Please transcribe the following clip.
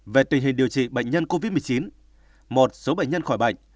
về tình hình điều trị bệnh nhân covid một mươi chín một số bệnh nhân khỏi bệnh